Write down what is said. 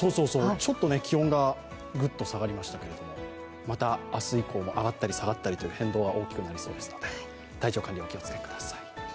ちょっと気温がぐっと下がりましたけれども、また明日以降も上がったり下がったり気温変動が激しいですので体調管理、お気をつけください。